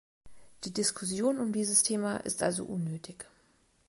Die Diskussion um dieses Thema ist also unnötig.